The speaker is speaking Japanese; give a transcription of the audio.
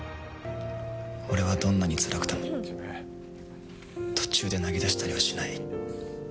俺はどんなにつらくても途中で投げ出したりはしない。